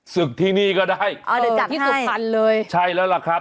ศึกที่นี่ก็ได้เออที่สุขคันเลยใช่แล้วล่ะครับ